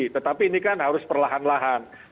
tetapi ini kan harus perlahan lahan